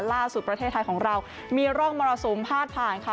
ล่าสุดประเทศไทยของเรามีร่องมรสุมพาดผ่านค่ะ